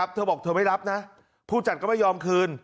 เธอบอกเธอไม่รับนะผู้จัดก็ไม่ยอมคืน